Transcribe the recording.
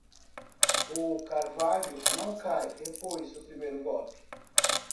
O carvalho não cai depois do primeiro golpe.